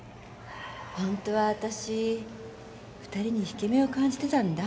ホントは私２人に引け目を感じてたんだ。